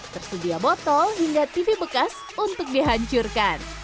tersedia botol hingga tv bekas untuk dihancurkan